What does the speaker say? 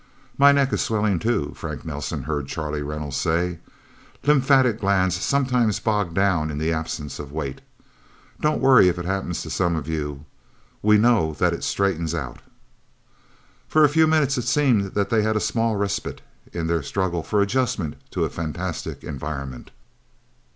"My neck is swelling, too," Frank Nelsen heard Charlie Reynolds say. "Lymphatic glands sometimes bog down in the absence of weight. Don't worry if it happens to some of you. We know that it straightens out." For a few minutes it seemed that they had a small respite in their struggle for adjustment to a fantastic environment.